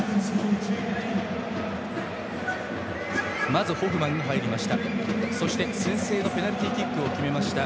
まず、ホフマンが入りました。